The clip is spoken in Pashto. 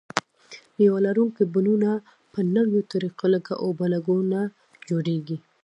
مېوه لرونکي بڼونه په نویو طریقو لکه اوبه لګونه جوړیږي.